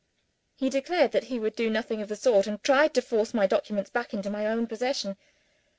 He declared that he would do nothing of the sort and tried to force my documents back into my own possession.